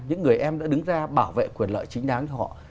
những người em đã đứng ra bảo vệ quyền lợi chính đáng cho họ